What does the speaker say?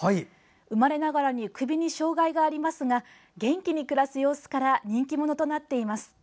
生まれながらに首に障害がありますが元気に暮らす様子から人気者となっています。